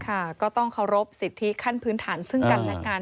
ค่ะก็ต้องเคารพสิทธิขั้นพื้นฐานซึ่งกันและกัน